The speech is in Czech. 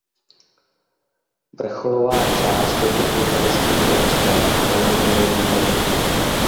Vrcholová část je pokryta lesním porostem a neumožňuje výhledy.